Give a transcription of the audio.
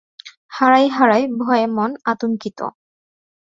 হারাই হারাই ভয়ে মন আতঙ্কিত।